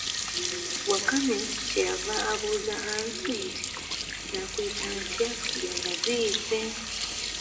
Wakamyu kye yava abuuza Aansi nti, nnaakuyita ntya ng'enva ziyidde?